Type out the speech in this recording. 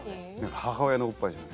母親のおっぱいじゃない？